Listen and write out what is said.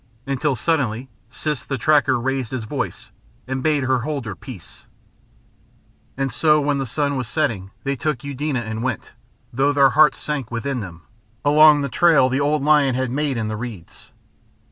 Until suddenly Siss the Tracker raised his voice and bade her hold her peace. And so when the sun was setting they took Eudena and went though their hearts sank within them along the trail the old lion had made in the reeds.